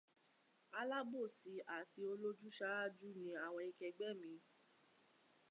Alábòsí àti olójúṣàájú ní àwọn akẹẹgbẹ́ mi.